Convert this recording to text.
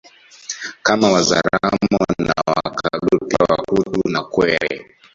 Kama Wazaramo na Wakaguru pia Wakutu na Wakwere